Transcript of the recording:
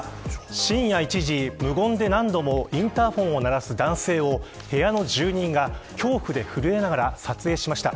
深夜１時、無言で何度もインターホンを鳴らす男性を部屋の住人が恐怖で震えながら撮影しました。